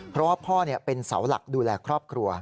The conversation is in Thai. เพราะว่าพ่อเป็นเสาหลักดูแลครอบครัว